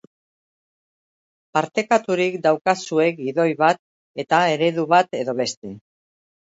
Partekaturik daukazue gidoi bat eta eredu bat edo beste.